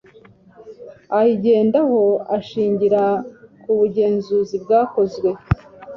ayigendaho ashingira ku bugenzuzi bwakozwe